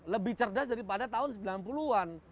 lebih cerdas daripada tahun sembilan puluh an